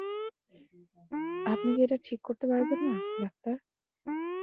আপনি কি এটা ঠিক করতে পারবেন না, ডাক্তার?